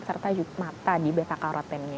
serta juga mata di beta karotennya